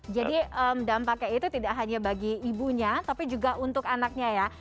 jadi dampaknya itu tidak hanya bagi ibunya tapi juga untuk anaknya ya